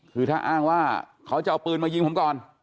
คือถ้าอ้างว่าเขาจะเอาปืนมายิงผมก่อน